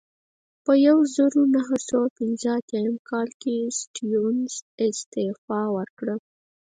په یوه زرو نهه سوه پنځه اتیا کال کې سټیونز استعفا ورکړه.